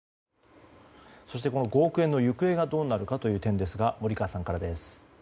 そしてこの５億円の行方がどうなるかですが森川さんからです。